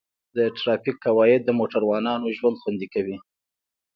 د ټرافیک قواعد د موټروانو ژوند خوندي کوي.